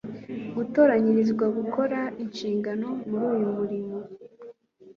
gutoranyirizwa gukora inshingano muri uyu murimo.